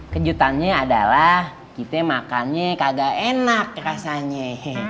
kejutannya adalah kita makan tidak enak rasanya